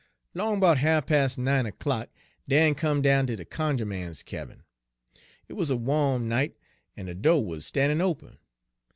"'Long 'bout half pas' nine o'clock Dan come down ter de cunjuh man's cabin. It wuz a wa'm night, en de do' wuz stan'in' open.